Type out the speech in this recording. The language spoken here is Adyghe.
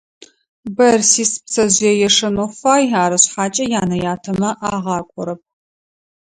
Бэрсис пцэжъые ешэнэу фай, ары шъхьакӏэ янэ-ятэмэ агъакӏорэп.